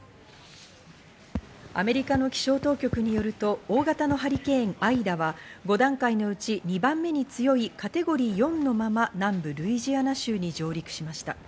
アメリカの気象当局によると、大型のハリケーン、アイダは５段階のうち２番目に強いカテゴリー４のまま南部ルイジアナ州に上陸しました。